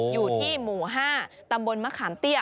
อยู่ที่หมู่๕ตำบลมะขามเตี้ย